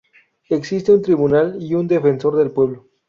Existe un tribunal y un defensor del pueblo.